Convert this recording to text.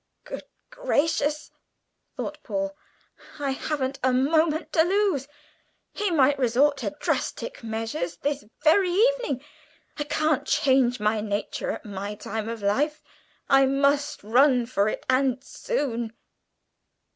"Good gracious!" thought Paul, "I haven't a moment to lose! he might 'resort to drastic measures' this very evening. I can't change my nature at my time of life. I must run for it, and soon."